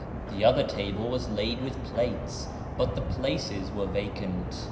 The other table was laid with plates, but the places were vacant.